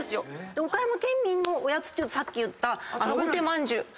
岡山県民のおやつっていうとさっき言った大手まんぢゅう。